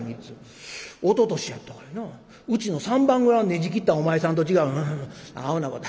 おととしやったかいなうちの三番蔵をねじ切ったんはお前さんと違う」。